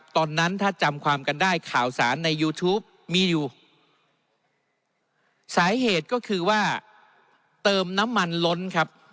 ตอนนั้นถ้าจำความกันได้ข่าวสารในยูทูปมีอยู่สาเหตุก็คือว่าเติมน้ำมันล้นครับ